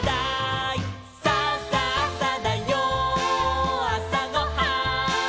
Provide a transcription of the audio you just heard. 「さあさあさだよあさごはん」